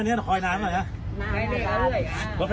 ไม่ได้หมายค่ะอาจารย์โอ้ยพอดหนูด้วยนะคะ